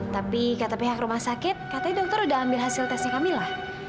tapi kata pihak rumah sakit katanya dokter udah ambil hasil tesnya kami lah